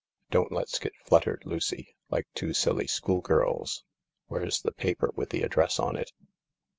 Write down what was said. Don't let s get fluttered, Lucy, like two silly schoolgirls, Where's the paper with the address on it